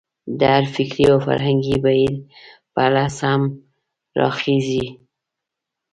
د هر فکري او فرهنګي بهیر په اړه سم راخېژي.